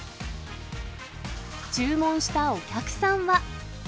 注文したお客さんは。